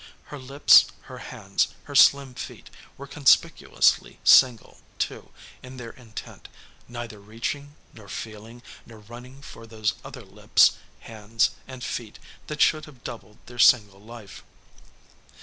Her lips, her hands, her slim feet, were conspicuously single, too, in their intent, neither reaching, nor feeling, nor running for those other lips, hands, and feet which should have doubled their single life.